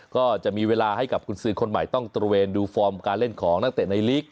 ก็จะมีเวลาให้กับคุณซื้อคนใหม่ต้องตระเวนดูฟอร์มการเล่นของนักเตะในลีก